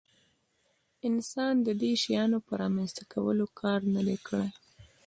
انسان د دې شیانو په رامنځته کولو کار نه دی کړی.